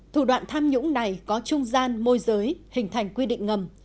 thủ đoạn tham nhũng này có trung gian môi giới hình thành quy định ngầm